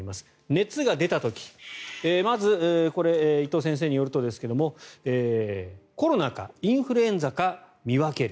熱が出た時まず、これは伊藤先生によるとですがコロナかインフルエンザか見分ける。